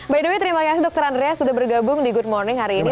by the way terima kasih dokter andrea sudah bergabung di good morning hari ini